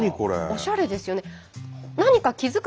おしゃれですよね。